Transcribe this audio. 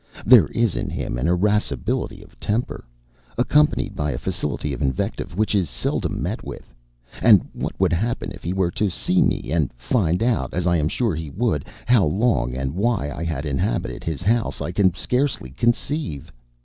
There is in him an irascibility of temper, accompanied by a facility of invective, which is seldom met with. And what would happen if he were to see me, and find out, as I am sure he would, how long and why I had inhabited his house, I can scarcely conceive.